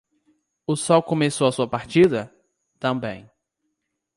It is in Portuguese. O sol começou a sua partida? também.